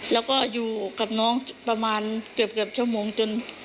แล้วก็อยู่กับน้องประมาณเกือบชั่วโมงจน